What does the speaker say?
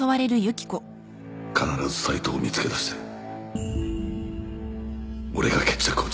必ず斉藤を見つけ出して俺が決着をつける